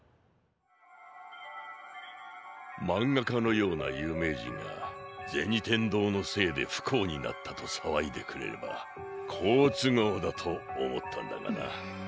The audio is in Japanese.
まんがかのような有名人が銭天堂のせいで不幸になったとさわいでくれれば好都合だと思ったんだがな。